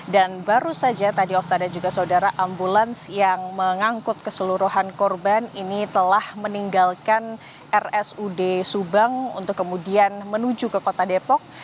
dan baru saja tadi okta dan juga saudara ambulans yang mengangkut keseluruhan korban ini telah meninggalkan rsud subang untuk kemudian menuju ke kota depok